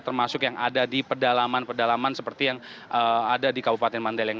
termasuk yang ada di pedalaman pedalaman seperti yang ada di kabupaten mandailing